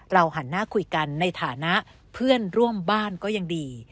หันหน้าคุยกันในฐานะเพื่อนร่วมบ้านก็ยังดี